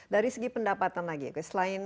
dari segi pendapatan lagi selain